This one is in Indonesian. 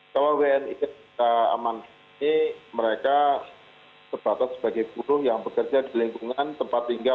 kalau wni itu tidak aman mereka terbatas sebagai burung yang bekerja di lingkungan tempat tinggal